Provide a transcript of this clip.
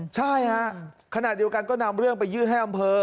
ใช่ฮะขณะเดียวกันก็นำเรื่องไปยื่นให้อำเภอ